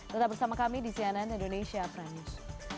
tetap bersama kami di cnn indonesia prime news